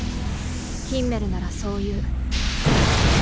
ヒンメルならそう言う。